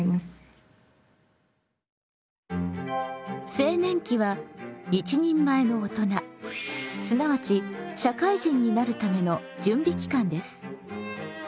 青年期は一人前の大人すなわち社会人になるための準備期間です。